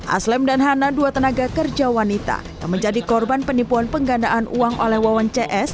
aslem dan hana dua tenaga kerja wanita yang menjadi korban penipuan penggandaan uang oleh wawon cs